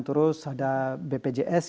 terus ada bpjs